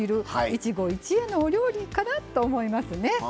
一期一会のお料理かなと思いますね。